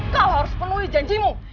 kau harus menuhi janjimu